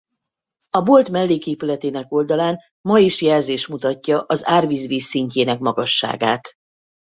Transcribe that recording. A bolt melléképületének oldalán ma is jelzés mutatja az árvíz vízszintjének magasságát.